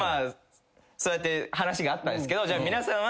そうやって話があったんですけど皆さんは。